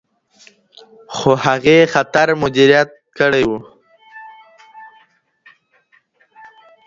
خو هغې خطر مدیریت کړی و.